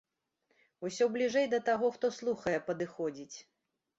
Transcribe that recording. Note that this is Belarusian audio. Усё бліжэй да таго, хто слухае, падыходзіць.